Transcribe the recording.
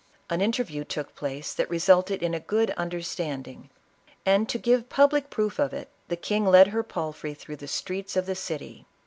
An interview took place that resulted in a good understanding; and, to give public proof of it, the king led her palfrey through the streets of the city.